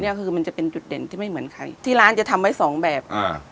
คือมันจะเป็นจุดเด่นที่ไม่เหมือนใครที่ร้านจะทำไว้สองแบบอ่า